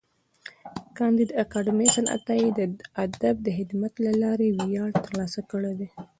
کانديد اکاډميسن عطایي د ادب د خدمت له لارې ویاړ ترلاسه کړی دی.